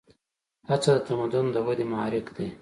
هڅه د تمدن د ودې محرک دی.